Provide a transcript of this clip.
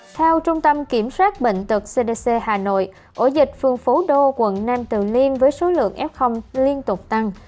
theo trung tâm kiểm soát bệnh tật cdc hà nội ổ dịch phường phú đô quận nam từ liêm với số lượng f liên tục tăng